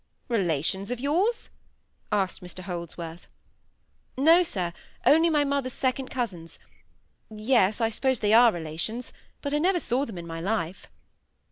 "Relations of yours?" asked Mr Holdsworth. "No, sir—only my mother's second cousins. Yes, I suppose they are relations. But I never saw them in my life."